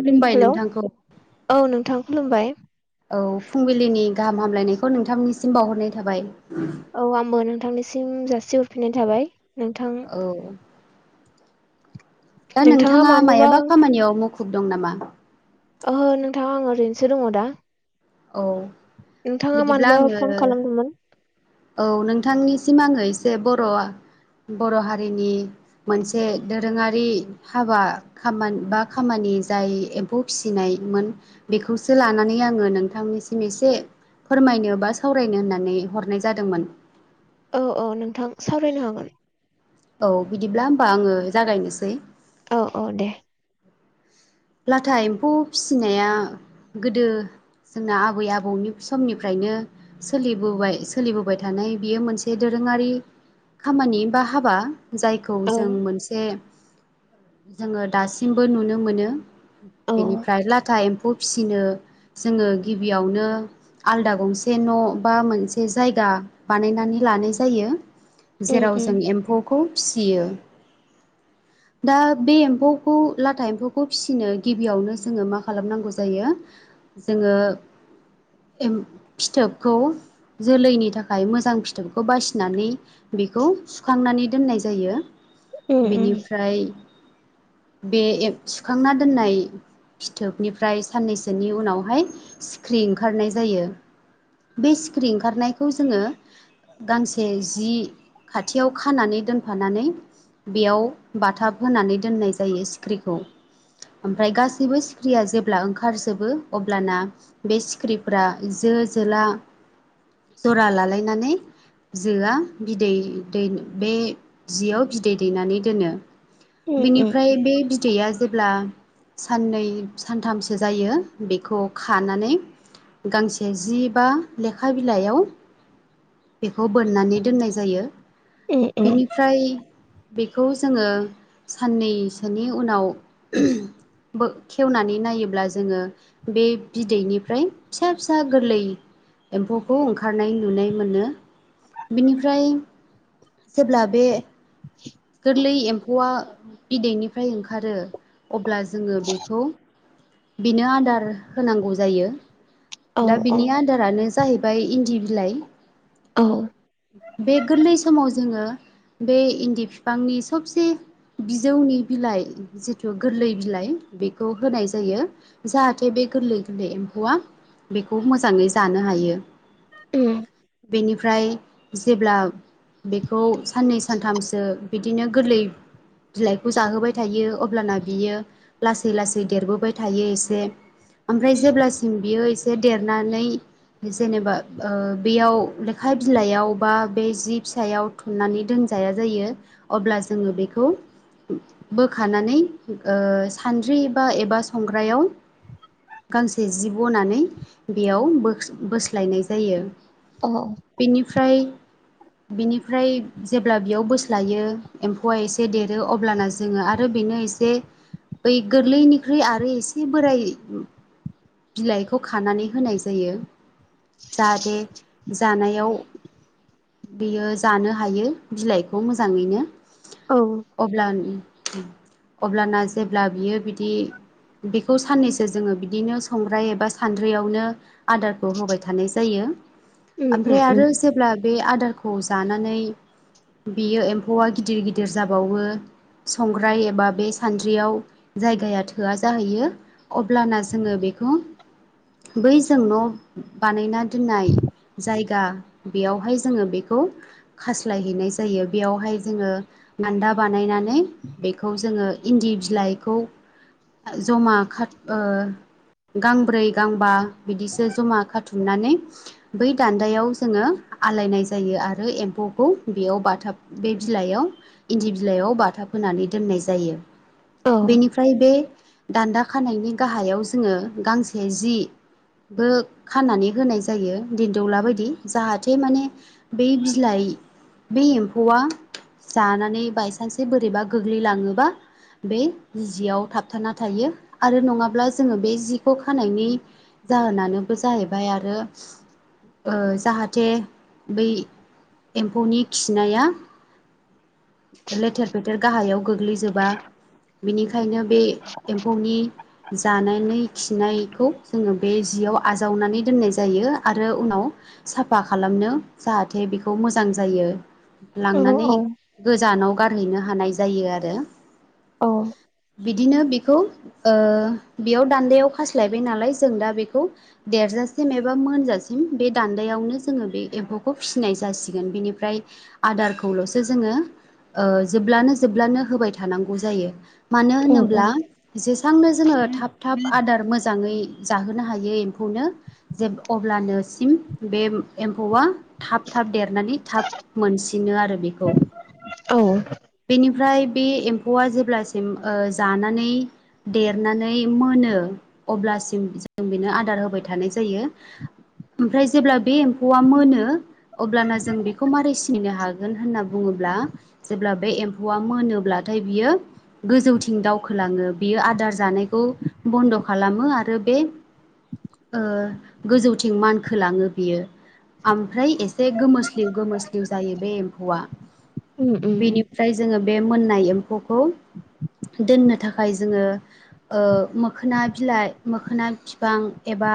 खुलुमबाय हेलौ नोंथांखौ औ नोंथां खुलुमबाय औ फुंबिलिनि गाहाम हामलायनायखौ नोंथांमोननिसिम बावहरनाय थाबाय। औ आंबो नोंथांनिसिम जासिहरफिननाय थाबाय। नोंथां औ । दा नोंथाङा मायाबा खामानियाव मुखुब दं नामा? ओहो नोंथां आं ओरैनोसो दङ दा। औ नोंथाङा बिदिब्ला मानोबा आङो फन खालामदोंमोन औ नोंथांनिसिम आङो एसे बर' बर' हारिनि मोनसे दोरोङारि हाबा खामान बा खामानि नि जाय एम्फौ फिसिनायमोन बेखौसो लानानै आङो नोंथांनिसिम एसे फोरमायनो बा सावरायनो होननानै हरनाय जादोंमोन । औ-औ नोंथां सावरायनो हागोन। औ बिदिब्ला होमबा आङो जागायनोसै। औ-औ दे। लाथा एम्फौ फिसिनाया गोदो जोंना आबै आबौनि समनिफ्रायनो सोलिबोबाय-सोलिबोबाय थानाय बेयो मोनसे दोरों दोंरोंङारि खामानि बा हाबा जायखौ औ जों मोनसे जोङो दासिमबो नुनो मोनो। औ बेनिफ्राय लाथा एम्फौ फिसिनो जोङो गिबियावनो आलदा गं से न' बा मोनसे जायगा बानायनानै लानाय जायो। उम जेराव उम जों एम्फौखौ फिसियो दा बे एम्फौखौ लाथा एम्फौखौ फिसिनो गिबियावनो जोङो मा खालामनांगौ जायो जोङो। एम फिथोबखौ जोलैनि थाखाय मोजां फिथोबखौ बासिनानै बेखौ सुखांनानै दोननाय जायो उम उम बेनिफ्राय बे सुखांना दोननाय फिथोबनिफ्राय साननैसोनि उनावहाय सिख्रि ओंखारनाय जायो। बे सिख्रि ओंखारनायखौ जोङो। गांसे जि खाथियाव खानानै दोनफानानै बेयाव बाथाब होनानै दोननाय जायो सिख्रिखौ ओमफ्राय गासैबो सिखिरिया जेब्ला ओंखारजोबो अब्लाना बे सिखिरिफ्रा ज ज ला जरा लालायनानै जोआ बिदै दै बे जियाव बिदै दैनानै दोनो उम बिनिफ्राय बे बिदैया जेब्ला साननै सानथामसो जायो बेखौ खानानै गांसे जि बा लेखा बिलाइयाव बेखौ बोननानै दोननाय जायो उम उम बेनिफ्राय बे बे खौ जोङो साननैसोनि उनाव खेवनानै नायोब्ला जोङो बे बिदैनिफ्राय फिसा फिसा गोरलै एम्फौखौ ओंखारनाय नुनाय मोनो बेनिफ्राय जेब्ला बे गोरलै एम्फौआ बिदैनिफ्राय ओंखारो अब्ला जोङो बेखौ । बिनो आदार होनांगौ जायो औ दा औ बिनि आदारानो जाहैबाय । ओमफ्राय इन्दि बिलाइ औ । बे गोरलै समाव जोङो बे इन्दि बिफांनि सबसे बिजौनि बिलाइ जिथु गोरलै बिलाइ बेखौ होनाय जायो । जाहाथे बे गोरलै गोरलै एम्फौआ बेखौ मोजाङै जानो हायो । [inaudible] बेनिफ्राय जेब्ला बेखौ साननै सानथामसो बिदिनो गोरलै बिलाइखौ जाहोबाय थायो अब्लाना बियो लासै लासै देरबोबाय थायो एसे ओमफ्राय जेब्लासिम बियो एसे देरनानै जेनेबा बेयाव लेखा बिलाइयाव बा बे जि फिसायाव थुननानै दोन जाया जायो । अब्ला जोङो बेखौ बोखानानै सानद्रि बा एबा संग्रायाव गांसे जि बनानै बेयाव बोस्लायनाय जायो । औ बेनिफ्राय बेनिफ्राय जेब्ला बेयाव बोस्लायो । एम्फौआ एसे देरो अब्लाना जोङो आरो बेनो एसे बै गोरलैनिख्रुइ आरो एसे बोरायाइ । बिलाइखौ खानानै होनाय जायो । जाहाथे जानायाव बेयो जानो हायो बिलाइखौ मोजाङैनो औ अब्ला अब्लाना जेब्ला बियो बिदि बेखौ साननैसो जोङो बिदिनो संग्राय एबा सानद्रियावनो आदारखौ होबाय थानाय जायो उम । उम ओमफ्राय उम आरो जेब्ला बे आदारखौ जानानै बियो एम्फौआ गिदिर गिदिर जाबावो । संग्राय एबा बे सानद्रियाव जायगाया थोआ जाहैयो अब्लाना जोङो बे बे बै जों न' बानायना दोननाय जायगा बेयावहाय जोङो बेखौ खास्लायहैनाय जायो बेयावहाय । जोङो दान्दा बानायनानै बेखौ जोङो इन्दि बिलाइखौ । जमा खा गांब्रै गांबा बिदिसो जमा खाथुमनानै बै दान्दायाव जोङो । आलायनाय जायो आरो एम्फौखौ बेयाव बाथाब बे बिलाइयाव इन्दि बिलाइआव बाथाफ‌ होनानै दोननाय जायो औ बेनिफ्राय बे दान्दा खानायनि गाहायाव जोङो गांसे जि बो खाननानै होनाय जायो ।दिन्दौला बायदि जाहाथे माने बै बिलाइ बे एम्फौआ जानानै बायसान्सै बोरैबा गोग्लैलाङोबा बे जियाव थाबथाना थायो आरो नङाब्ला जोङो बे जिखौ खानायनि जाहोनानोबो जाहैबाय आरो जाहाथे बै एम्फौनि खिनायाज लेथेर फेथेर गाहायाव गोग्लैजोबा बिनिखायनो बे एम्फौनि । जानायनि खिनायखौ जोङो बे जियाव आजावनानै दोननाय जायो आरो उनाव साफा खालामनो जाहाथे बेखौ मोजां जायो औ ।लांनानै गोजानाव गारहैनो हानाय जायो आरो । औ । बिदिनो बेखौ बेयाव दान्दायाव खास्लायबाय नालाय जों दा बेखौ देरज थजासिम एबा मोनजासिम बे दान्दायावनो जोङो बे एम्फौखौ फिसिनाय जासिगोन बेनिफ्राय । आदारखौल'सो जोङो जोब्लानो जोब्लानो होबाय थानांगौ जायो । मानो उम होनोब्ला उम जेसांनो जोङो थाब थाब आदार मोजाङै जाहोनो हायो एम्फौनो जे अब्लानोसिम बे एम्फौआ थाब थाब थाब देरनानै थाब मोनसिनो आरो बेखौ औ बेनिफ्राय बे एम्फौआ जेब्लासिम जानानै देरनानै मोनो अब्ला जों बेनो आदार होबाय थानाय जायो । ओमफ्राय जेब्ला बे एम्फौआ मोनो अब्लाना जों बेखौ मारै सिनिनो हागोन होनना बुङो बुङोब्ला जेब्ला बे एम्फौआ मोनोब्लाथाय बियो गोजौथिं दावखोलाङो बि आदार जानायखौ बन्द' खालामो आरो बे गोजौथिं मानखोलाङो बियो । ओमफ्राय एसे गोमोस्लिउ गोमोस्लिउ जायो बे एम्फौआ उम उम उम बेनिफ्राय जोङो बे मोननाय एम्फौखौ दोननो थाखाय जोङो मोखोना बिलाइ मोखोना बिफां एबा बा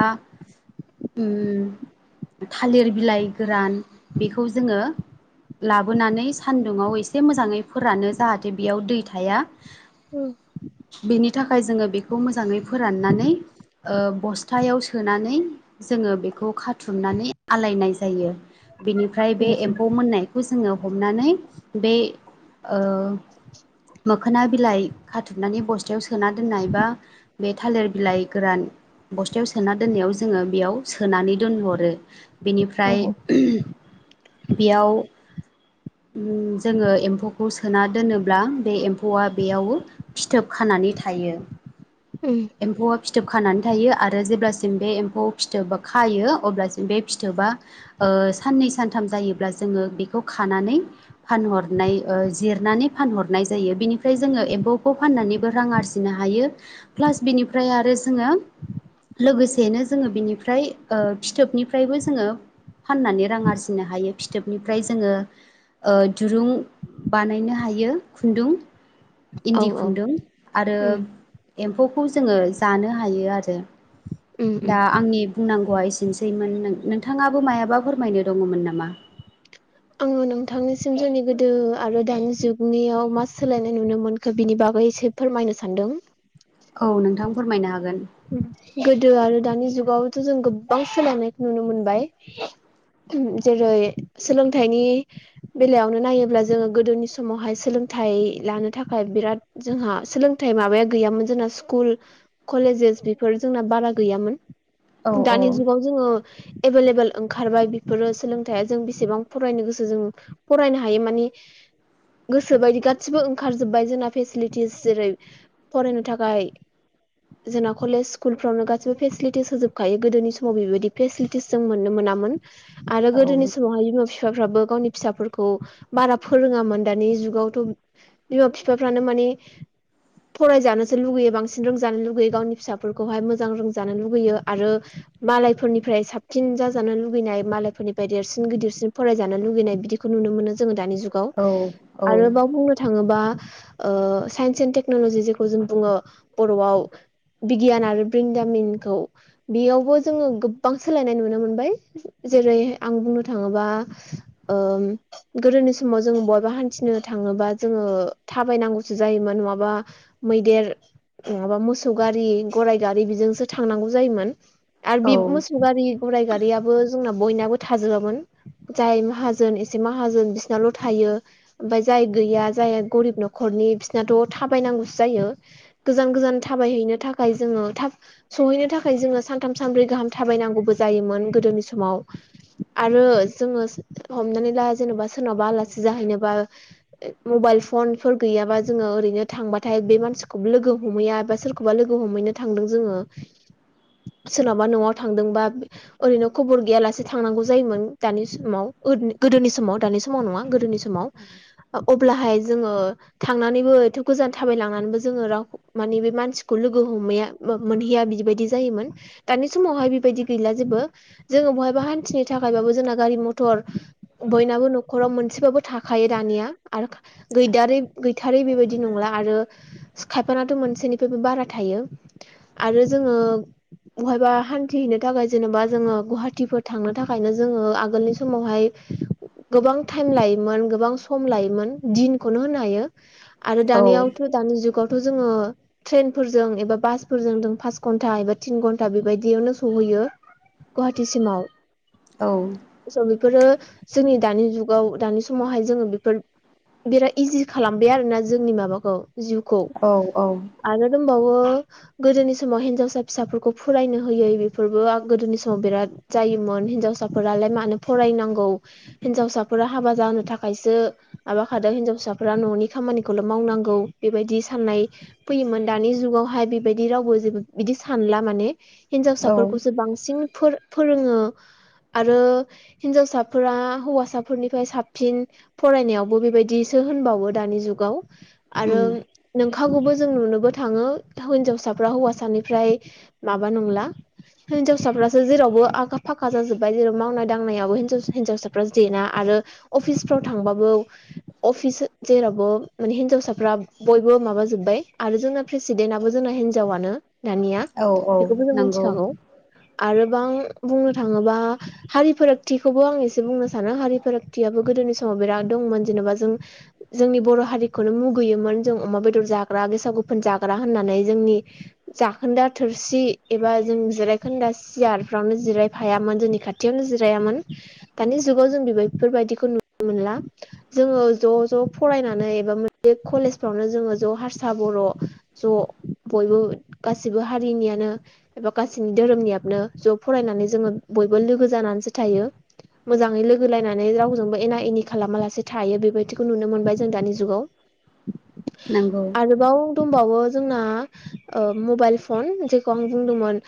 थालिर बिलाइ गोरान बेखौ जोङो लाबो बोनानै सानदुङाव एसे मोजाङै फोरानो जाहाथे बेयाव दै थाया। उम बेनि थाखाय जोङो बेखौ मोजाङै फोराननानै बस्थायाव सोनानै जोङो बेखौ खाथुमनानै आलायनाय जायो । बेनिफ्राय बे एम्फौ मोननायखौ जोङो हमनानै बे ओ मोखोना बिलाइ खाथुमनानै बस्थायाव सोना दोननाय बा बे थालिर बिलाइ गोरान बस्थायाव सोना दोननायाव जोङो बेयाव सोनानै दोनहरो औ बिनिफ्राय बेयाव जोङो एम्फौखौ सोना दोनोब्ला बे एम्फौआ बेयाव फिथोबखान नानै थायो उम एमफौ आ फिथोब खानानै थायो आरो जेब्लासिम बे एम्फौ फिथोब खायो अब्लासिम बे फिथोबा साननै सानथाम जायोब्ला जोङो बेखौ जनानै फान जायो बेनि ज एमफौखौ फान्नानै रां आरजिनो हायो फ्लास बिनिफ्राय आरो जोङो लोगोसेनो जोङो बिनिफ्राय फिथोबनिफ्रायबो जोङो फाननानै रां आरजिनो हायो फिथोबनिफ्राय जोङो दुरुं बानायनो हायो खुन्दुं औ इन्दि खुन्दुं आरो उम एम्फौखौ जोङो जानो हायो आरो उम उम दा आंनि बुंनांगौ वा एसेनसैमोन नोंथाङाबो मायाबा फोरमायनो दङमोन नामा? आङो नोंथांनिसिम जोंनि गोदो आरो दानि जुगनियाव मा सोलायनाय नुनो मोनखो बिनि बागैसो फोरमायनो सानदों । औ नोंथां फोरमायनो हागोन । गोदो आरो दानि जुगावथ' जों गोबां सोलोंनायखौ नुनो मोनबाय । जेरै सोलोंथाइनि बेलायावनो नायोब्ला जोङो गोदोनि समावहाय सों सोलोंथाइ लानो थाखाय बिराद जोंहा सोलोंथाइ माबाया गैयामोन जोंना स्कुल कलेजेस बेफोर जोंना बारा गैयामोन औ औ दानि जुगाव जोङो एभेलेबेल ओंखारबाय बेफोरो सोलोंथायाइया जों बेसेबां फरायनो गोसो जों फरायनो हायो माने गोसोोबायदि गासिबो ओंखारजोब्बाय जोंना फेसिलिटिस जेरै फरायनो थाखाय जेन' कलेज स्कुलफ्रावनो गासिबो फेसिलिटिस होजोबखायो गोदोनि समाव बेबायदि फेसिलिटिस जों मोननो मोनामोन। आरो औ गोदोनि समावहाय बिमा [unintelligible] बिफाफ्राबो गावनि फिसाफोरखौ बारा फोरोङामोन दानि जुगावथ' बिमा बिफाफ्रानो माने फरायजानोसो लुबैयो बांसिन रोंजानो लुुबैयो गावनि फिसाफोरखौहाय मोजां रोंजानो लुुबैयो आरो मालायफोरनिफ्राय साबसिन जाजानो लुुबैनाय। फोरनिफ्राय देरसिन गिदिरसिन फरायजानो लुगैनाय बिदिखौ नुनो मोनोङो दानि जुगाव औ औ आरोबाव बुंनो थाङोबा ओ साइन्स एणड टेक्नलजि जेखौ जों बुङो बर'आव बिगियान आरो ब्रिन्दामिनखौ बेयावबो जोङो गोबां सोलायनाय नुनो मोनबाय ज जेरै आं बुंनो थाङोबा गोदोनि समाव जों बेबा हान्थिनो थाङोब जोङो थाबायनांगौसो जायोमोन नङाबा मैदेर नङाबा मोसौ गारि गराइ गारि बेजोंसो थांनांगौ जायोमोन। आरो औ बे मोसौ गारि गोराइ गारियाबो जोंना बयनावबो थोआ जाय माहोन एसे मोन बिसिनाल' थायो ओमाय जाय गैया ज जाय गरिब न'खरनि बिसिोरनाथ' थाबायनांगौो जायो गोजान गो थाबायनो थाखाय जोङो थाब सहैनो थाखाय जोङो सानथाम सानब्रै गाहाम थाबायनांगौ जायोमोन गोदोनि गोदोनि समाव आरो जोङो हमनानै दा जेनेबा सोरनावबा आलासि जाहैनोबा मबाइल फनफोर गैयाबा जोङो ओरैनो थांबाथाय बे मानसिखौबो लोगो हमहैया एबा सोर? एखौबा लोगो हमहैनो थांदों जोङो सोरनावबा न'आव थांदोंबा ओरैनो खबर गैयालासे थांनांगौ जायोमोन दानि समाव गोदोनि समाव दानि समाव नङा गोदोनि समाव अब्लाहाय जोङो थांनानैबो थायनानै जो म लोगो हमै मोनहैया बिदिबायदि जायोमोन दानि समावहाय बिबायदि गैला जेबो जो ों बहायबा हान्थिनो थाखायबाबो जोंना गारि मथर बयनाबो न'खराव मोनसेबाबो थाखायो दानिया गैथारै बेबायदि नंला आरो खायफानाथ' मोनसेनिफ्राय बारा थायो आरो जोङो बहायबा हान्थिहैनो थाखाय जेनेबा जोङो गुवा सुटिफोर थांनो थाखायनो जोङो आगोलनि समावहाय गोबां थाइम लायोमोन गोबां सम लोयोमोन दिन नो होनो हायो आरो दथ' दानि जुगावथ' जोङो थ्रेन फोरजों एबा बासफोरजों जों पास घन्टा एबा थिन घन्टा गुवाहाटिसिमाव औ स' बेफोरो जोंनि दानि जुगाव दानि समावहाय जोङो बेफोर बिराद इजि खालामबाय आरोना जोंनि माबाखौ जिउखौ औ औ आरो होनबावो गोदोनि समाव हिनजावसा फिसाफोरखौ फरायनो होयै बेफोरबो गोदोनि समाव बिराद जायोमोन हिनजावसाफोरालाय मानो फरायनांगौ हिनजावसाफोरा हाबा जानो थाखायसो माबाखादों हिनजावसाफ्रा न'नि खामानिखौल' मावनांगौ बेबायदि साननाय फैयोमोन। दानि जुगावहाय बेबायदि रावबो जेबो बिदि सानला माने औ हिनजावसाफोरखौसो बांसिन फोर फोरोङो आरो हिनजावसाफोरा हौवासाफोरनिफ्राय साबसिन फरायनायावबो बेबायदि सो। वो द जुाव आरो उम नोंखाखौबो जों नुनोबो थाङो हिनजावसाफ्रा हौवासानिफ्राय माबा नंला। हिनजावसाफ्रासो जेरावबो आखा फाखा जाजोबबाय जेराव मावनाय दांनायाबो हिनजावसा हिनजावसाफ्रा जेना आरो अफिस फाव थांबाबो अफिस जेरावबो माने ह हिनजावसाफ्रा बयबो माबा जोब्बाय आरो जोंना प्रेसिडेन्टआबो जोंना हिनजावयानो दानिया औ औ बेखौबो जों नंगौ मोनथिखागौ आरो गोबां बुंनो थाङोबा हारि फारागथिखौबो आं एसे बुंनो सानो हारि फारागथियाबो गोदोनि सम [unintelligible] बेराद दंमोन जेनेबा जों जोंनि बर' हारिखौनो मुगैयोमोन जों अमा बेदर जाग्रा गेसाव गो फोन जाग्रा होननानै जोंनि जाखोन्दा थोरसि एबा जों जिरायखोन्दा सियार फ्रावनो जिरायफायामोन जोंनि खाथियावनो जिरायामोन दानि जुगाव जों बेबायफोरबायदिखौ नुनो मोनला । जोङो ज' ज' फरायनानै एबा मोनसे कलेजफ्रावनो जोङो ज' हारसा बर' ज' बयबो गासिबो हारिनियानो एबा गासिनि धोरोमनियाबनो ज' फरायनानै जोङो बयबो लोगो जानानैसो थायो । मोजाङै लोगो लायनानै रावजोंबो एना एनि खालामालासे थायो बेबायदिखौ नुनो मोनबाय जों दानि जुगाव नंगौ आरोबाव दंबावो जोंना ओ मबाइल फन जेखौ आं बुंदोंमोन